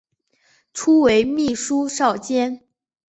初为秘书少监。